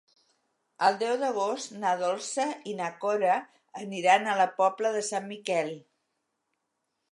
El deu d'agost na Dolça i na Cora aniran a la Pobla de Sant Miquel.